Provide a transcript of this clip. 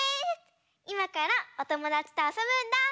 いまからおともだちとあそぶんだ！